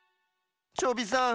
チョビさん。